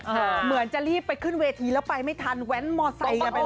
เหมือนจะรีบไปขึ้นเวทีแล้วไปไม่ทันแว้นมอไซค์กันไปเลย